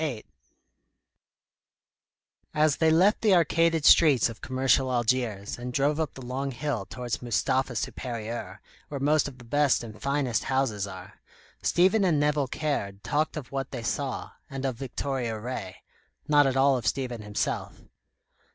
VIII As they left the arcaded streets of commercial Algiers, and drove up the long hill towards Mustapha Supérieur, where most of the best and finest houses are, Stephen and Nevill Caird talked of what they saw, and of Victoria Ray; not at all of Stephen himself.